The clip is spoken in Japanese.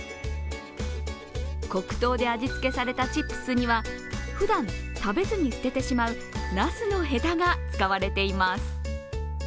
黒糖で味付けされたチップスには、ふだん食べずに捨ててしまうなすのヘタが使われています。